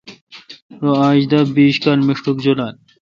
رو اج دا بیش کال مݭٹک جولال۔